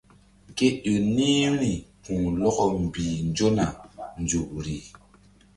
Ke ƴo ni̧h vbi̧ri ku̧lɔkɔ mbih nzona nzukri.